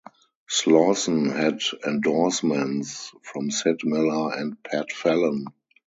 Slawson had endorsements from Sid Miller and Pat Fallon.